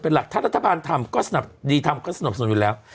เป็นหลักถ้ารัฐบาลดีทำก็สนุนสนุนอยู่แล้ว